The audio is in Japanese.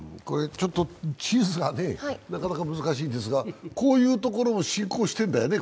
地図がなかなか難しいんですが、こういうところも侵攻しているんだよね